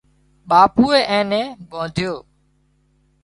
ٻاپوئي اين نين ٻانڌيو